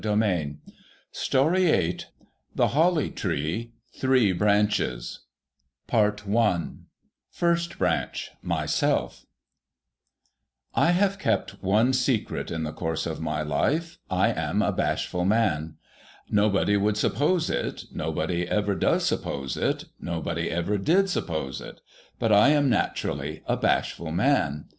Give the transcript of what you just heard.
THE HOLLY TREE THE HOLLY TREE TTbree Brancbes FIRST BRANCH MYSELF I HAVE kept one secret in the course of my life. I am a bashful man. Nobody would suppose it, nobody ever does suppose it, nobody ever did su]:)pose it, but I am naturally a bashful man.